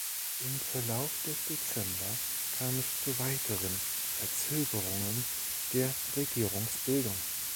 Im Verlauf des Dezember kam es zu weiteren Verzögerungen der Regierungsbildung.